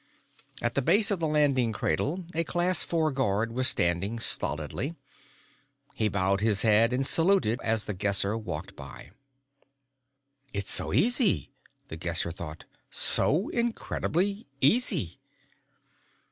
At the base of the landing cradle, a Class Four guard was standing stolidly. He bowed his head and saluted as The Guesser walked by. It's so easy! The Guesser thought. _So incredibly easy!